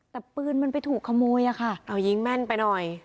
แต่ปืนมันไปถูกขโมยอะค่ะเอายิงแม่นไปหน่อย